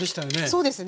そうですね。